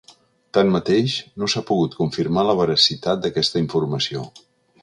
Tanmateix, no s’ha pogut confirmar la veracitat d’aquesta informació.